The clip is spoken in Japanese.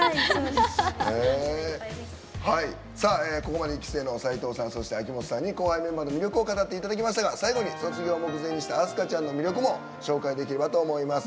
ここまで１期生の齋藤さんそして秋元さんに後輩メンバーの魅力を語っていただきましたが最後に卒業を目前にした飛鳥ちゃんの魅力も紹介できればと思います。